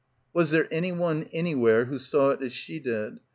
Was there anyone anywhere who saw it as she did?